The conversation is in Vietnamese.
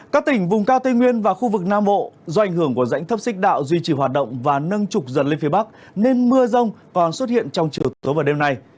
các tỉnh vùng cao tây nguyên và khu vực nam bộ do ảnh hưởng của rãnh thấp xích đạo duy trì hoạt động và nâng trục dần lên phía bắc nên mưa rông còn xuất hiện trong chiều tối và đêm nay